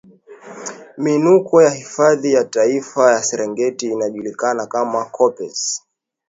miinuko ya hifadhi ya taifa ya serengeti inajulikana kama koppes